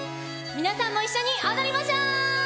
皆さんも一緒に踊りましょう。